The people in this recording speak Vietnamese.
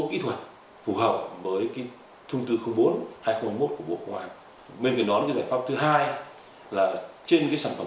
kỹ thuật phù hợp với cái thông tư bốn hai nghìn một mươi một của bộ công an bên cạnh đó là giải pháp thứ hai là trên cái sản phẩm